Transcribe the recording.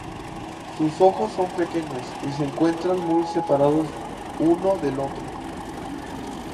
Sus ojos son pequeños y se encuentran muy separados uno del otro.